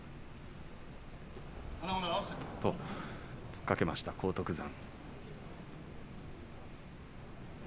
突っかけました荒篤山。